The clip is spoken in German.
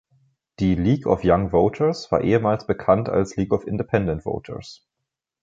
Die League of Young Voters war ehemals bekannt als League of Independent Voters.